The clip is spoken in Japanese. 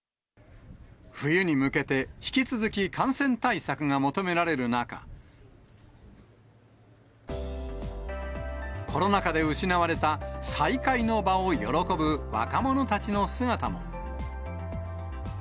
冬に向けて、引き続き感染対策が求められる中、コロナ禍で失われた再会の場を喜ぶ若者たちの姿も。